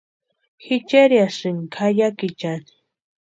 Ji cherhiasïnka jayakichani.